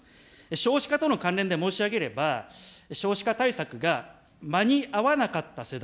少子化との関連で申し上げれば、少子化対策が、間に合わなかった世代。